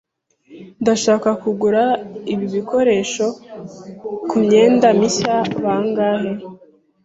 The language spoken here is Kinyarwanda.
Ndashaka kugura ibi bikoresho kumyenda mishya. Bangahe?